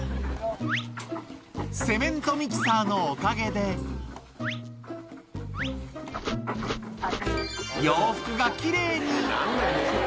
セメントミキサーのおかげで、洋服がきれいに。